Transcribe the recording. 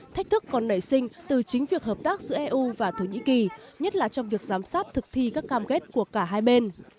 thách thức còn nảy sinh từ chính việc hợp tác giữa eu và thổ nhĩ kỳ nhất là trong việc giám sát thực thi các cam kết của cả hai bên